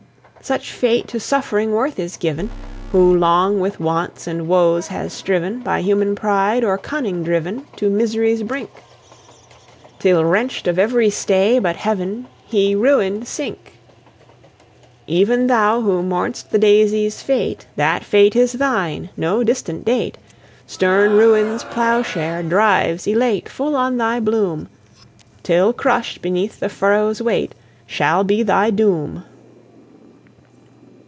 Such fate to suffering worth is given, Who long with wants and woes has striven, By human pride or cunning driven To misery's brink, Till wrenched of every stay but Heaven, He, ruined, sink! Even thou who mourn'st the Daisy's fate, That fate is thine no distant date; Stern Ruin's plowshare drives, elate, Full on thy bloom, Till crushed beneath the furrow's weight Shall be thy doom.